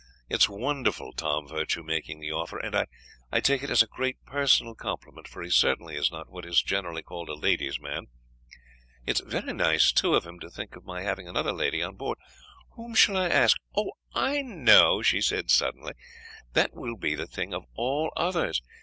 It is wonderful, Tom Virtue making the offer; and I take it as a great personal compliment, for he certainly is not what is generally called a lady's man. It is very nice, too, of him to think of my having another lady on board. Whom shall we ask? Oh, I know," she said suddenly; "that will be the thing of all others.